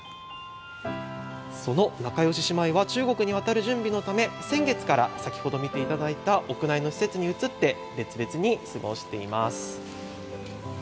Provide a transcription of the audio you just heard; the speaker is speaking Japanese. その仲よし姉妹は中国に渡る準備のため先月から先ほど見ていただいた屋内の施設に移って別々に過ごしています。